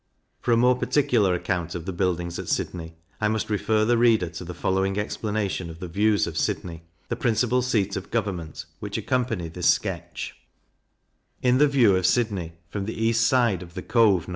For a more particular account of the buildings at Sydney, I must refer the reader to the following explanation of the Views of Sydney, the principal seat of government, which accompany this sketch: In the View of Sydney, from the East side of the Cove, No.